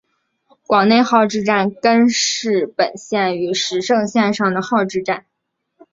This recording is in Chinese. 广内号志站根室本线与石胜线上的号志站。